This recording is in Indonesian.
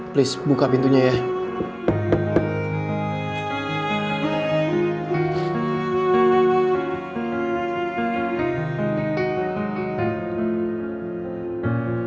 please buka pintunya ya